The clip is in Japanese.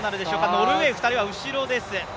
ノルウェー２人は後ろです。